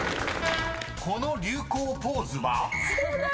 ［この流行ポーズは？］